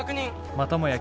またもや